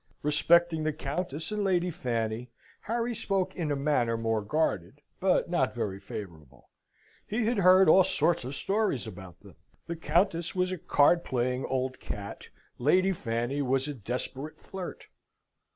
Respecting the Countess and Lady Fanny, Harry spoke in a manner more guarded, but not very favourable. He had heard all sorts of stories about them. The Countess was a card playing old cat; Lady Fanny was a desperate flirt.